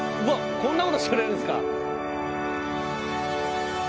こんな事してくれるんですか？